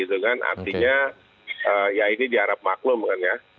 ya kan artinya atau lupa gitu kan artinya ya ini diharap maklum kan ya